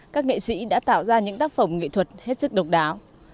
các nghệ sĩ đã tạo ra những tác phẩm nghệ thuật hết sức độc đáo